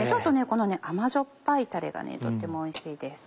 このあまじょっぱいタレがとってもおいしいです。